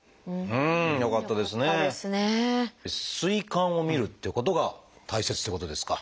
膵管をみるっていうことが大切っていうことですか？